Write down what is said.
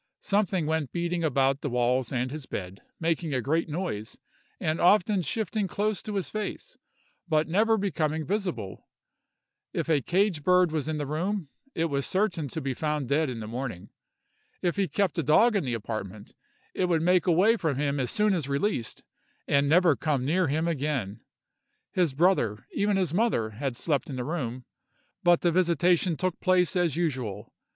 Something went beating about the walls and his bed, making a great noise, and often shifting close to his face, but never becoming visible. If a cage bird was in his room, it was certain to be found dead in the morning. If he kept a dog in the apartment, it would make away from him as soon as released, and never come near him again. His brother, even his mother, had slept in the room, but the visitation took place as usual.